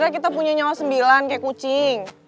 kita punya nyawa sembilan kayak kucing